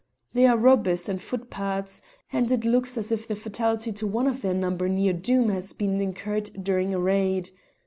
They are robbers and footpads, and it looks as if the fatality to one of their number near Doom has been incurred during a raid.